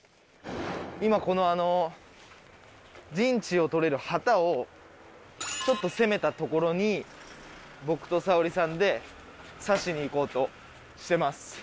今陣地を取れる旗をちょっと攻めた所に僕と沙保里さんでさしに行こうとしてます。